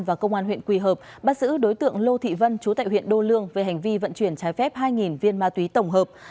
và công an huyện quỳ hợp bắt giữ đối tượng lô thị vân chú tại huyện đô lương về hành vi vận chuyển trái phép hai viên ma túy tổng hợp